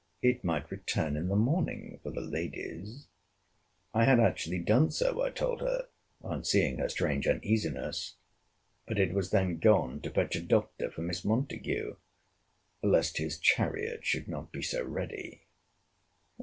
It might return in the morning for the ladies. I had actually done so, I told her, on seeing her strange uneasiness. But it was then gone to fetch a doctor for Miss Montague, lest his chariot should not be so ready.